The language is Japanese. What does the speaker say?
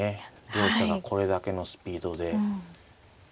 両者がこれだけのスピードで。